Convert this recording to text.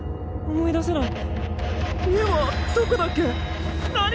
思い出せない！